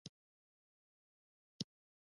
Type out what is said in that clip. مصنوعي ځیرکتیا د اقتصادي ثبات رول لري.